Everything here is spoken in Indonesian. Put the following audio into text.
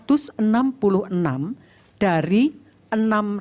untuk dua puluh dua wilayah layanan yang belum mendapat siaran digital